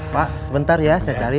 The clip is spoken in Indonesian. pak sebentar ya saya cari